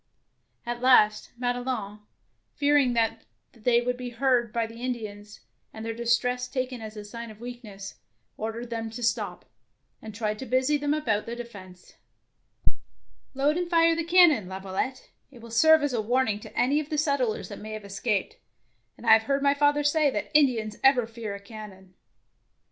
At last Madelon, fear ing that they would be heard by the Indians, and their distress taken as a sign of weakness, ordered them to stop, and tried to busy them about the defence. "Load and fire the cannon, Lavio lette ; it will serve as a warning to any of the settlers that may have escaped, and I have heard my father say that Indians ever fear a cannon.